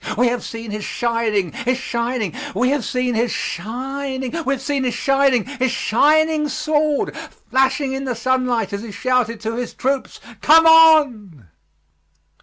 We have seen his shining his shining we have seen his shining we have seen his shining his shining sword flashing in the sunlight as he shouted to his troops, 'Come on!'"